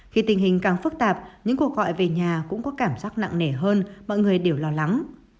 khi tình hình càng phức tạp những cuộc gọi về nhà cũng có cảm giác nặng nề hơn mọi người đều lo lắng